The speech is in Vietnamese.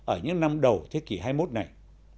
ở những năm đầu thế kỷ hai mươi một này